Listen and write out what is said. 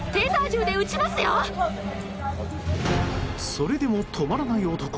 それでも止まらない男。